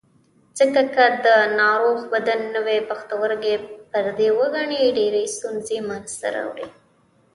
ځکه که د ناروغ بدن نوی پښتورګی پردی وګڼي ډېرې ستونزې منځ ته راوړي.